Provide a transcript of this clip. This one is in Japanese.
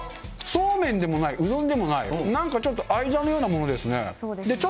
そうめんでもない、うどんでもない、なんかちょっと間のようなものですね。